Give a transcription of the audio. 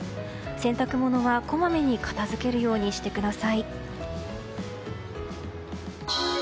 洗濯物はこまめに片づけるようにしてください。